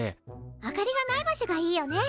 明かりがない場所がいいよね！